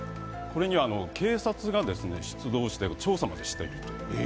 これに警察が出動して調査までしていると。